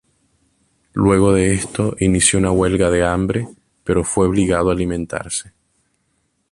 Luego de esto, inició una huelga de hambre, pero fue obligado a alimentarse.